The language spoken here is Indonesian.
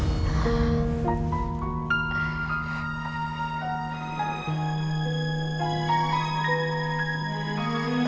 apaan sih itu anak beneran deh